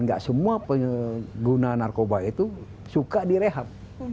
nggak semua pengguna narkoba itu suka direhab